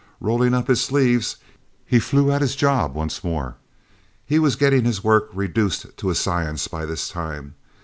Rolling up his sleeves, he flew at his job once more. He was getting his work reduced to a science by this time.